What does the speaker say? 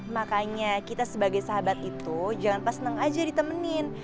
makanya kita sebagai sahabat itu jangan pas neng aja ditemenin